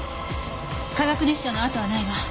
化学熱傷の痕はないわ。